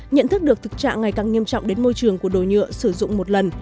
nhận thức được thực trạng ngày càng nghiêm trọng đến môi trường của đồ nhựa sử dụng một lần